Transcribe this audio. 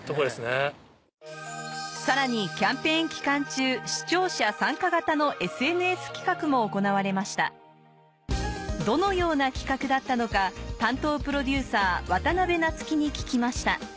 さらにキャンペーン期間中視聴者参加型のＳＮＳ企画も行われましたどのような企画だったのか担当プロデューサーに聞きました